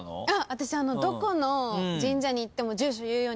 私どこの神社に行っても住所言うようにしてるんです。